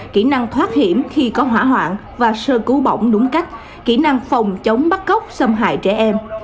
kỹ năng thoát hiểm khi có hỏa hoạn và sơ cứu bỏng đúng cách kỹ năng phòng chống bắt cóc xâm hại trẻ em